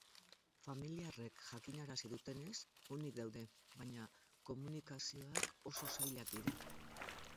Familiarrek jakinarazi dutenez, onik daude, baina komunikazioak oso zailak dira.